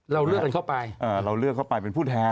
เราเลือกกันเข้าไปเราเลือกเข้าไปเป็นผู้แทน